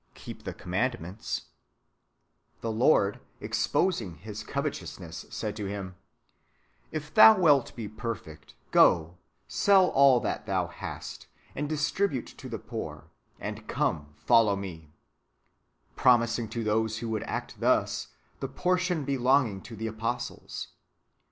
[Book iv, ''Keep the commandments"), the Lord, exposing his covet ousness, said to him, " If thou wilt be perfect, go, sell all that thou hast, and distribute to the poor; and come, follow me;" jDromising to those who would act thus, the portion belonging to the apostles (apostolorum partetri).